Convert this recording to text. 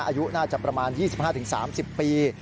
อายุน่าจะประมาณ๒๕๓๐ปี